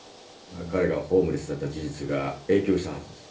彼がホームレスだった事実が影響したはずです。